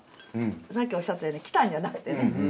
さっきおっしゃったように来たんじゃなくてね。